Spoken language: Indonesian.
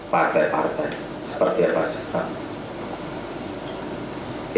partai partai seperti apa saya dengar